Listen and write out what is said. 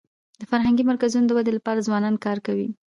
د فرهنګي مرکزونو د ودي لپاره ځوانان کار کوي.